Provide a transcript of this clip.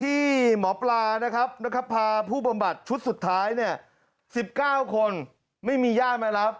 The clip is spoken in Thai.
ที่หมอปลานะครับพาผู้บำบัดชุดสุดท้าย๑๙คนไม่มีญาติมารับ